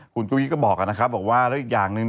คุณตุ้ยก็บอกนะครับบอกว่าแล้วอีกอย่างหนึ่ง